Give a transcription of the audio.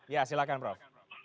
ya silakan prof